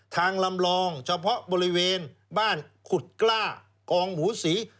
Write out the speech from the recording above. ลำลองเฉพาะบริเวณบ้านขุดกล้ากองหมูศรี